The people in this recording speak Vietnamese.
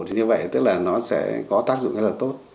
thì như vậy tức là nó sẽ có tác dụng rất là tốt